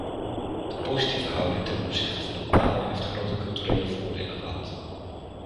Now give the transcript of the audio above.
De positieve houding ten opzichte van de taal heeft grote culturele voordelen gehad.